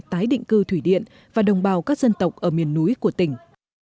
tái định cư thủy điện và đồng bào các dân tộc ở miền núi của tỉnh